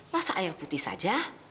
masa air putih saja